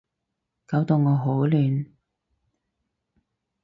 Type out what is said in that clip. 搞到我好亂